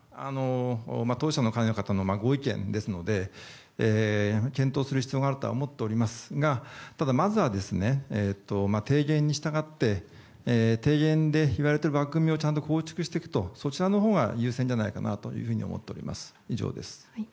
当事者の会の方のご意見ですので検討する必要があるとは思っておりますがただ、まずは提言に従って提言でいわれた枠組みをちゃんと構築していくというそちらのほうが優先じゃないかなと思っております。